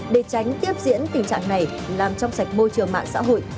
để tránh tiếp diễn tình trạng này làm trong sạch môi trường mạng xã hội